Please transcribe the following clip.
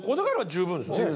十分です。